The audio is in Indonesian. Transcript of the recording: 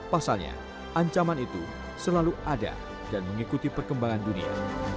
pasalnya ancaman itu selalu ada dan mengikuti perkembangan dunia